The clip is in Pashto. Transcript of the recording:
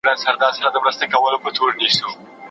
که نجونې نکریزې وکړي نو لاس به نه وي سپین.